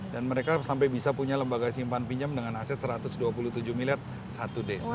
mereka sampai bisa punya lembaga simpan pinjam dengan aset satu ratus dua puluh tujuh miliar satu desa